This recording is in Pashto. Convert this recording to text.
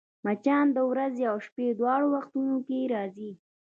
مچان د ورځي او شپې دواړو وختونو کې راځي